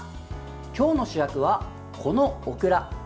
今日の主役は、このオクラ。